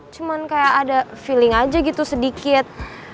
cuma kayak ada feeling aja gitu sedikit